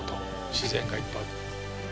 自然がいっぱいあって。